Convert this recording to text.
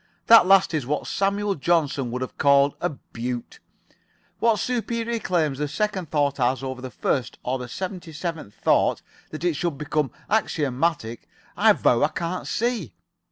That last is what Samuel Johnson would have called a beaut. What superior claims the second thought has over the first or the seventy seventh thought, that it should become axiomatic, I vow I can't see.